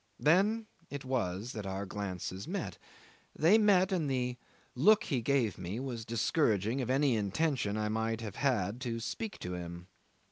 Then it was that our glances met. They met, and the look he gave me was discouraging of any intention I might have had to speak to him.